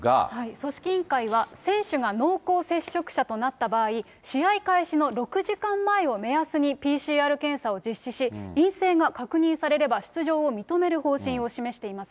組織委員会は選手が濃厚接触者となった場合、試合開始の６時間前を目安にＰＣＲ検査を実施し、陰性が確認されれば出場を認める方針を示しています。